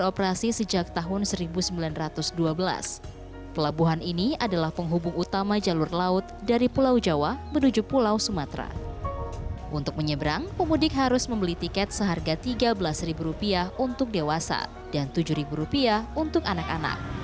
pemudik harus membeli tiket seharga tiga belas ribu rupiah untuk dewasa dan tujuh ribu rupiah untuk anak anak